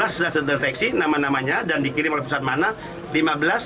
lima belas sudah terdeteksi nama namanya dan dikirim oleh pusat mana